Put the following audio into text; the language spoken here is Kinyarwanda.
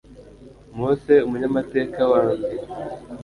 Mose umunyamateka wa mbere